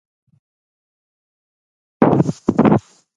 د علم یوې مهمې سرچینې د کتاب په مطالعه کې ده.